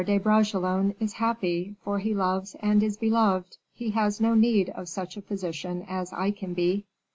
de Bragelonne is happy, for he loves and is beloved. He has no need of such a physician as I can be." "M.